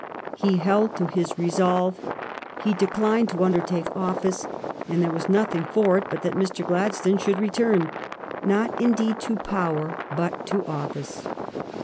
He held to his re solve; he declined to undertake office, and there was nothing for it but that Mr. Gladstone should return, not indeed to power, but to office.